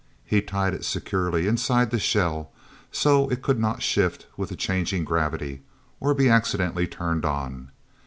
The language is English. He tied it securely inside the shell so it could not shift with the changing gravity, or be accidentally turned on.